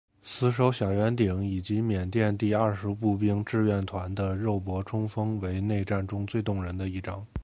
死守小圆顶以及缅因第廿步兵志愿团的肉搏冲锋为内战中最动人的一章。